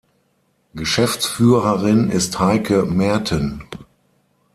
Geschäftsführerin ist Heike Merten.